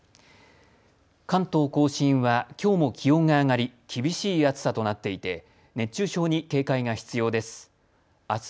関東甲信はきょうも気温が上がり厳しい暑さとなっていて熱中症に警戒が必要です。